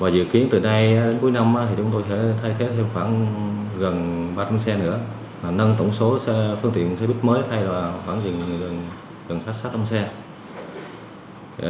dự kiến từ nay đến cuối năm thì chúng tôi sẽ thay thế thêm khoảng gần ba tấm xe nữa nâng tổng số phương tiện xe buýt mới thay vào khoảng gần sáu tấm xe